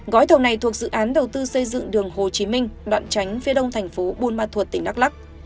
gói thầu này thuộc dự án đầu tư xây dựng đường hồ chí minh đoạn tránh phía đông tp bun ma thuật tỉnh đắk lắc